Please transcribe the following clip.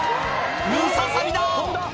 ムササビだ！